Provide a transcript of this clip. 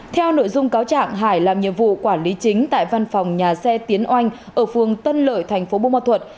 theo nội dung cáo trạng hải làm nhiệm vụ quản lý chính tại văn phòng nhà xe tiến oanh ở phương tân lợi tp buôn ma thuật